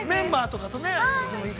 ◆メンバーとかとね。